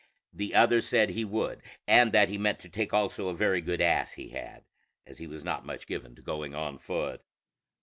The other said he would, and that he meant to take also a very good ass he had, as he was not much given to going on foot.